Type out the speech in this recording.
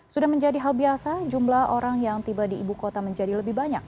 sudah menjadi hal biasa jumlah orang yang tiba di ibu kota menjadi lebih banyak